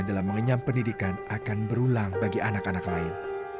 dalam mengenyam pendidikan akan berulang bagi anak anak lain